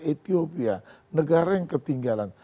ethiopia negara yang ketinggalan